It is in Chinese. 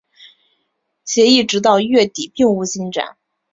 协议直到月底并无进展。